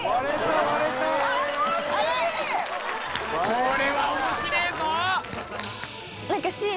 これは面白えぞ！